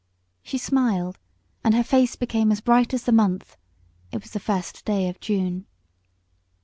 She smiled, and her face became as bright as the month: it was the first day of June.